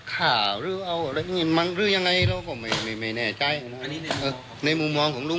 ถ้ามันไปแจ้งความที่มันจะทำยังไง